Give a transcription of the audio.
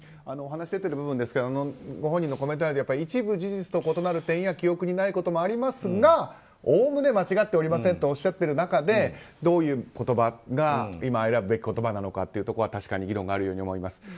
お話出ている部分ですがご本人のコメントで一部事実と異なる点や記憶にないこともありますがおおむね間違っておりませんとおっしゃっている中でどういう言葉が今選ぶべき言葉なのかというのは確かに議論があるように思います。